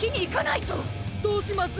どうします？